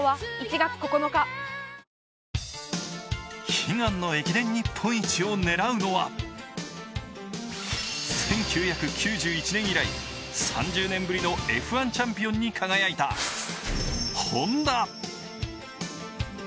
悲願の駅伝日本一を狙うのは、１９９１年以来３０年ぶりのＦ１チャンピオンに輝いたＨｏｎｄａ。